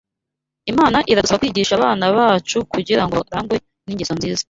Imana iradusaba kwigisha abana bacu kugira ngo barangwe n’ingeso nziza